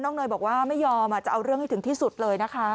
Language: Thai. เนยบอกว่าไม่ยอมจะเอาเรื่องให้ถึงที่สุดเลยนะคะ